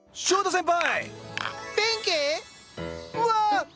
先輩